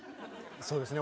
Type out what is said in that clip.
そうですね。